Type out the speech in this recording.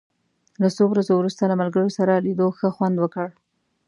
له څو ورځو وروسته له ملګرو سره لیدو ښه خوند وکړ.